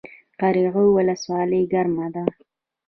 قرغیو ولسوالۍ ګرمه ده؟